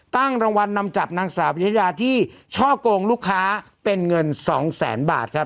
ตั้งรางวัลนำจับนางสาปยธิดาที่ช่อกโกงลูกค้าเป็นเงินสองแสนบาทครับ